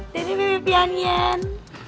dan bebek pianyan